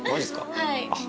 はい。